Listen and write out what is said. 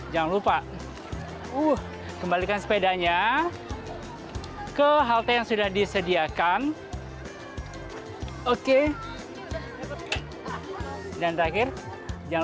jangan lupa uh kembalikan sepedanya ke halte yang sudah disediakan oke dan terakhir jangan